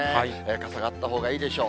傘があったほうがいいでしょう。